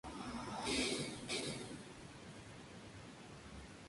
La obra más importante de Haeckel es quizá